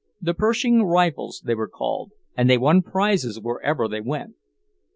The Pershing Rifles, they were called, and they won prizes wherever they went.